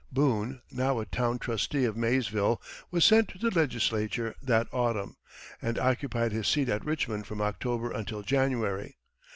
Boone, now a town trustee of Maysville, was sent to the legislature that autumn, and occupied his seat at Richmond from October until January.